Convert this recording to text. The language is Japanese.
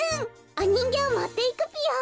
おにんぎょうもっていくぴよ。